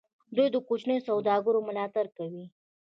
دوی د کوچنیو سوداګریو ملاتړ کوي.